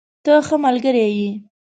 ته ښه ملګری یې.